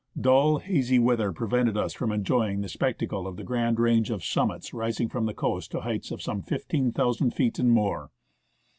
Dull, hazy weather prevented us from enjoying the spectacle of the grand range of summits rising from the coast to heights of some 15,000 feet and more.